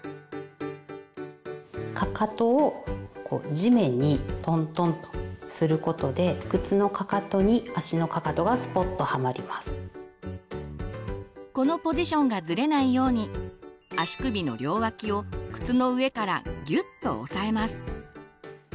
かかとをこう地面にトントンとすることでこのポジションがずれないように足首の両脇を靴の上からぎゅっと押さえます。